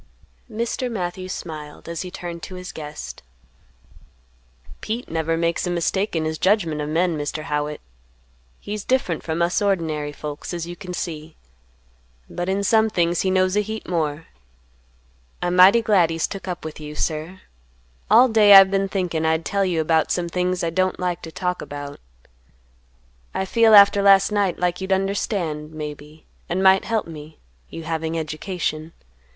Mr. Matthews smiled, as he turned to his guest. "Pete never makes a mistake in his judgment of men, Mr. Howitt. He's different from us ordinary folks, as you can see; but in some things he knows a heap more. I'm mighty glad he's took up with you, sir. All day I've been thinking I'd tell you about some things I don't like to talk about; I feel after last night like you'd understand, maybe, and might help me, you having education.